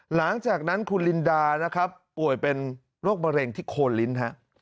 หลังจากนั้นคุณลินดานะครับป่วยเป็นโรคมะเร็งที่โคนลิ้นฮะ